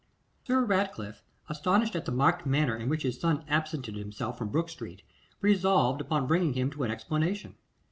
Sir Ratcliffe, astonished at the marked manner in which his son absented himself from Brook street, resolved upon bringing him to an explanation.